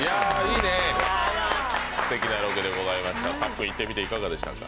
すてきなロケでございました、さっくん、行ってみてどうでしたか？